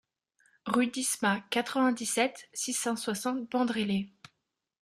Rue Disma, quatre-vingt-dix-sept, six cent soixante Bandrélé